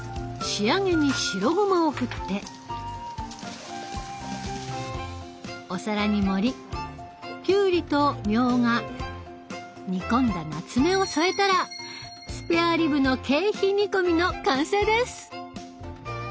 仕上げに白ごまを振ってお皿に盛りきゅうりとみょうが煮込んだなつめを添えたらスペアリブの桂皮煮込みの完成です！